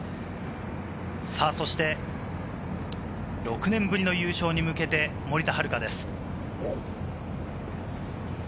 そして６年ぶりの優勝に向けて、森田遥です。